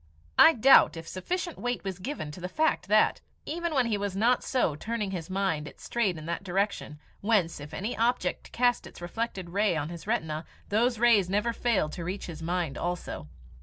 I doubt if sufficient weight was given to the fact that, even when he was not so turning his mind, it strayed in that direction, whence, if any object cast its reflected rays on his retina, those rays never failed to reach his mind also.